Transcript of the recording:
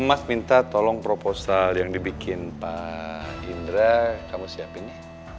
mas minta tolong proposal yang dibikin pak indra kamu siapin ya